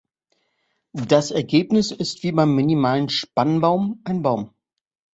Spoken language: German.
Das Ergebnis ist wie beim minimalen Spannbaum ein Baum.